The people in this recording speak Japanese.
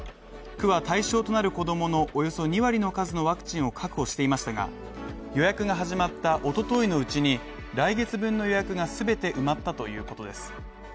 区は対象となる子供のおよそ２割の数のワクチンを確保していましたが、予約が始まったおとといのうちに来月分の予約が全て埋まったということです。